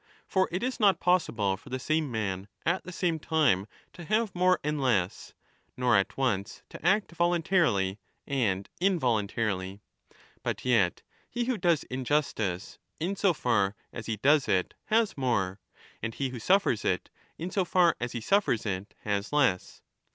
For it is not possible for the same man at the same time to have more and less, nor at once to act voluntarily and involun tarily. But yet he who does injustice, in so far as he does 10 it, has more, and he who suffers it, in so far as he suffers it, has less.